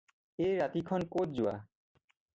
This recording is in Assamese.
এই ৰাতিখন ক'ত যোৱা?